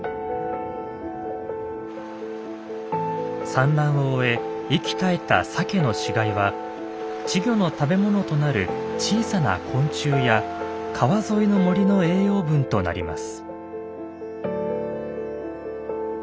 産卵を終え息絶えたサケの死骸は稚魚の食べものとなる小さな昆虫や川沿いの森の栄養分となります。